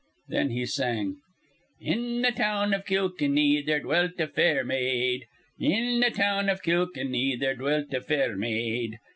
Then he sang: In th' town iv Kilkinny there du wilt a fair ma aid, In th' town iv Kilkinny there du wilt a fair ma aid.